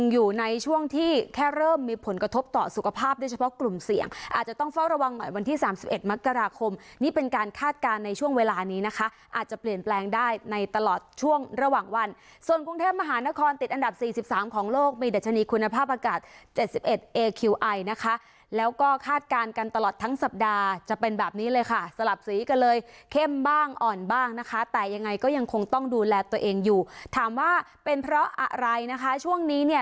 อยู่ในช่วงที่แค่เริ่มมีผลกระทบต่อสุขภาพด้วยเฉพาะกลุ่มเสี่ยงอาจจะต้องเฝ้าระวังหน่อยวันที่สามสิบเอ็ดมันกราคมนี่เป็นการคาดการณ์ในช่วงเวลานี้นะคะอาจจะเปลี่ยนแปลงได้ในตลอดช่วงระหว่างวันส่วนกรุงเทพมหานครติดอันดับสี่สิบสามของโลกมีดัชนีคุณภาพอากาศเจ็ดสิบเอ็ดเอคิวไอ